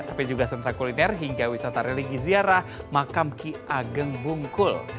tapi juga sentra kuliner hingga wisata religi ziarah makam ki ageng bungkul